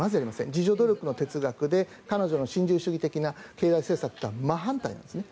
自助努力の哲学で彼女の新自由主義的な経済政策とは真反対なんですね。